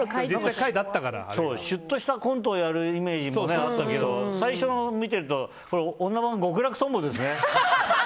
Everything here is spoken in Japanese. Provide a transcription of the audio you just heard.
シュッとしたコントをやるイメージもあったけど最初のを見てると女版極楽とんぼですね。